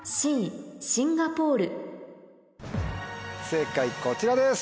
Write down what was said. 正解こちらです。